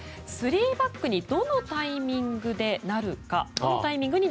３バックにどのタイミングでなるか。